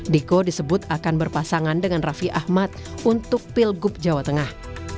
diko disebut akan berpasangan dengan raffi ahmad untuk pilgub jawa tengah